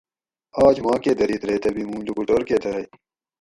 آج ما کہ دریت ریتہ بھی موں لوکوٹور کہ درئ